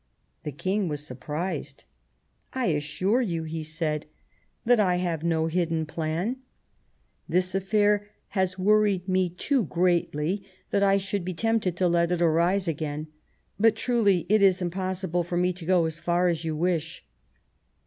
The King was surprised. " I assure you," he said, " that I have no hidden 124 The War of 1870 plan. This affair has worried me too greatly that I should be tempted to let it arise again. But truly it is impossible for me to go as far as you wish."